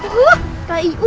tidak ada ibu